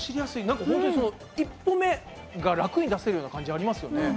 なんかほんとに一歩目が楽に出せるような感じありますよね。